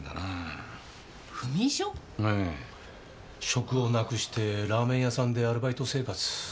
職をなくしてラーメン屋さんでアルバイト生活。